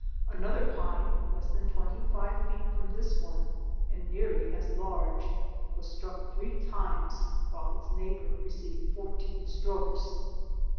Another pine, less than twenty five feet from this one and nearly as large, was struck three times while its neighbour received fourteen strokes.